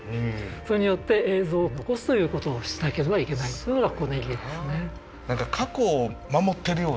それによって映像を残すということをしなければいけないというのがここの意義ですね。